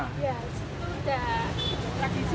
ya itu sudah tradisi tradisi